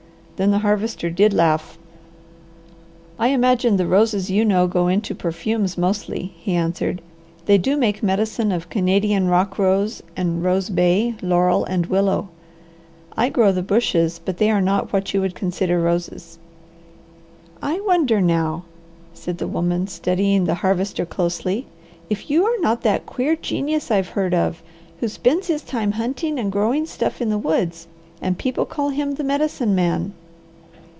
Then the Harvester did laugh. "I imagine the roses you know go into perfumes mostly," he answered. "They do make medicine of Canadian rock rose and rose bay, laurel, and willow. I grow the bushes, but they are not what you would consider roses." "I wonder now," said the woman studying the Harvester closely, "if you are not that queer genius I've heard of, who spends his time hunting and growing stuff in the woods and people call him the Medicine Man."